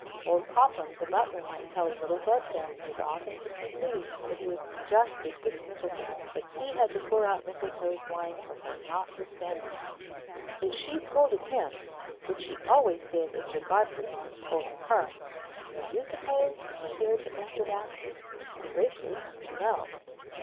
Old Popham the Butler might tell little Whelpdale as often as he pleased that he was just as good as Mistletoe; but he had to pour out Mistletoe's wine for her, notwithstanding. If she scolded him (which she always did if Sir Godfrey had been scolding her), do you suppose he dared to answer back? Gracious, no!